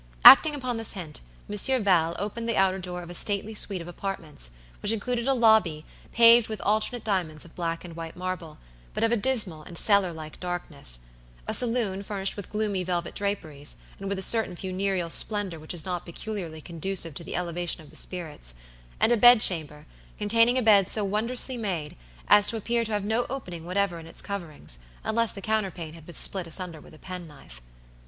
Acting upon this hint, Monsieur Val opened the outer door of a stately suite of apartments, which included a lobby, paved with alternate diamonds of black and white marble, but of a dismal and cellar like darkness; a saloon furnished with gloomy velvet draperies, and with a certain funereal splendor which is not peculiarly conducive to the elevation of the spirits; and a bed chamber, containing a bed so wondrously made, as to appear to have no opening whatever in its coverings, unless the counterpane had been split asunder with a pen knife.